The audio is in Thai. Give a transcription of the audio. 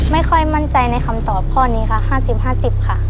ไม่ค่อยมั่นใจในคำตอบข้อนี้ค่ะ๕๐๕๐ค่ะ